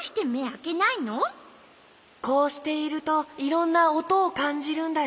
こうしているといろんなおとをかんじるんだよ。